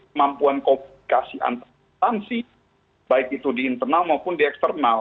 kemampuan komunikasi antartansi baik itu di internal maupun di eksternal